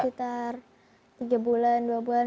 iya lama sekitar tiga bulan dua bulan